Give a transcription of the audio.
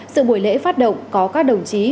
sự buổi lễ phát động có các đồng chí